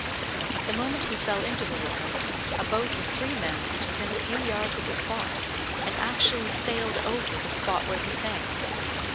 At the moment he fell into the water, a boat with three men was within a few yards of the spot, and actually sailed over the spot where he sank.